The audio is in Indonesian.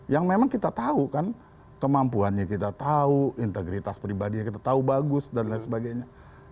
yang memang kita tahu kan kemampuannya kita tahu integritas pribadinya kita tahu bagus dan lain sebagainya